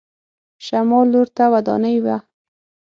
شمال لور ته ودانۍ وه.